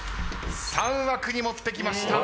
３枠に持ってきました。